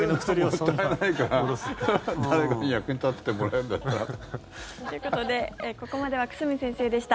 捨てるのもったいないから誰かの役に立ててもらえるんだったら。ということでここまでは久住先生でした。